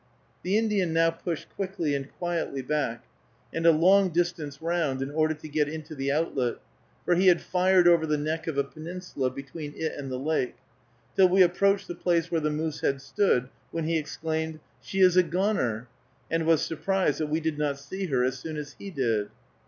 The Indian now pushed quickly and quietly back, and a long distance round, in order to get into the outlet, for he had fired over the neck of a peninsula between it and the lake, till we approached the place where the moose had stood, when he exclaimed, "She is a goner!" and was surprised that we did not see her as soon as he did.